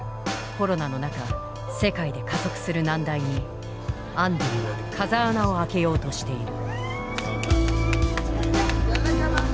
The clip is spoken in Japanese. コロナの中世界で加速する難題にアンディは風穴を開けようとしている。